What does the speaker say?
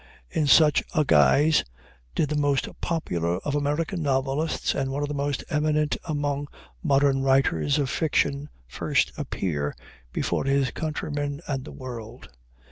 In such a guise did the most popular of American novelists and one of the most eminent among modern writers of fiction first appear before his countrymen and the world.